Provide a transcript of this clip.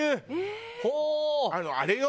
ほう！あれよ？